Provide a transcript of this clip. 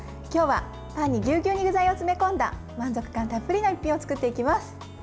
今日はパンにぎゅうぎゅうに具材を詰め込んだ満足感たっぷりの一品を作っていきます。